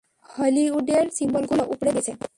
হলিউডের সিম্বলগুলো উপড়ে গেছে!